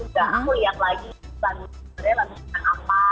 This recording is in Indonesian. gak aku liat lagi sebenernya lagu lagu apa